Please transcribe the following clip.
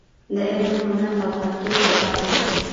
د علم، هنر او کلتور په برخه کې.